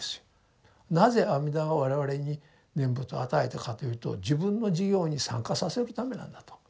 なぜ阿弥陀が我々に念仏を与えたかというと自分の事業に参加させるためなんだと。